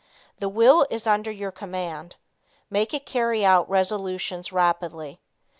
The will is under your command. Make it carry out resolutions rapidly.